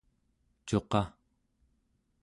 cuqaᵉ